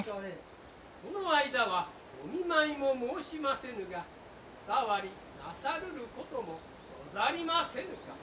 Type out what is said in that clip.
この間はお見舞いも申しませぬがお変わりなさるることもござりませぬか。